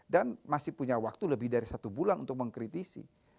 dan masih punya waktu lebih dari satu bulan untuk mengkritisi